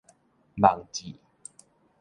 網誌